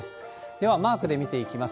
ではマークで見ていきます。